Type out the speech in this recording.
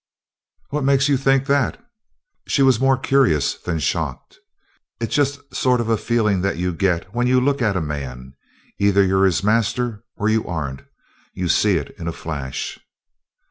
"What makes you think that?" She was more curious than shocked. "It's just a sort of feeling that you get when you look at a man; either you're his master or you aren't. You see it in a flash."